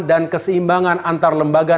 dan keseimbangan antar lembaga